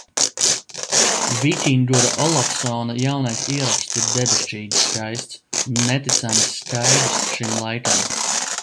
Vikingura Olafsona jaunais ieraksts ir debešķīgi skaists un neticami skaidrs šim laikam.